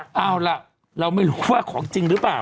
เอาล่ะเราไม่รู้ว่าของจริงหรือเปล่า